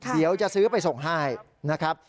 เดี๋ยวจะซื้อไปส่งให้นะครับ